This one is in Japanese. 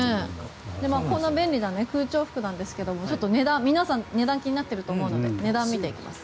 こんな便利な空調服なんですが皆さん値段気になっていると思うので値段を見ていきます。